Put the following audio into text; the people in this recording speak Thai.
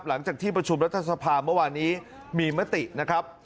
หลังจากที่ประชุมรัฐสภาเมื่อวานนี้มีมตินะครับ